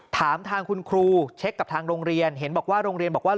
ถามทางคุณครูเช็คกับทางโรงเรียนเห็นบอกว่าโรงเรียนบอกว่า